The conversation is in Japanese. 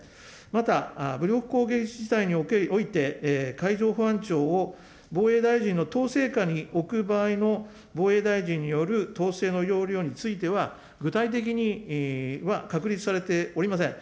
また、武力攻撃事態において、海上保安庁を、防衛大臣の統制下に置く場合の防衛大臣による統制の要領については、具体的には確立されておりません。